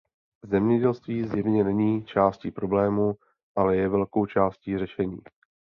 Zemědělství zjevně není částí problému, ale je velkou částí řešení.